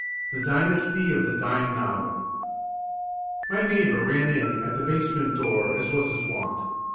V THE DYNASTY OF THE DIME NOVEL My neighbour ran in at the basement door as was his wont.